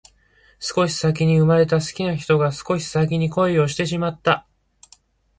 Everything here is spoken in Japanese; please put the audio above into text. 少し先に生まれた好きな人が少し先に恋をしてしまった